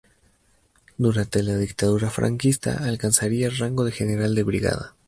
Durante la Dictadura franquista alcanzaría el rango de general de brigada.